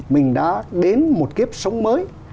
mình đã đến một kiếp sống mới